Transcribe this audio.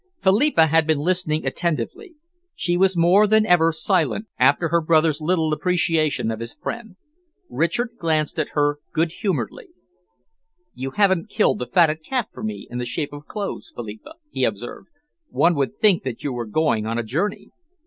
Philippa had been listening attentively. She was more than ever silent after her brother's little appreciation of his friend. Richard glanced at her good humouredly. "You haven't killed the fatted calf for me in the shape of clothes, Philippa," he observed. "One would think that you were going on a journey."